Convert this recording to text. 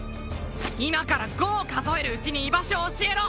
今から５を数えるうちに居場所を教えろ！